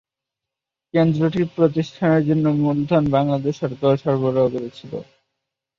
কেন্দ্রটি প্রতিষ্ঠার জন্য মূলধন বাংলাদেশ সরকার সরবরাহ করেছিল।